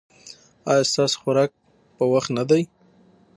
ایا ستاسو خوراک په وخت نه دی؟